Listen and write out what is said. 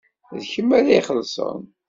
D kemm ara ixellṣen?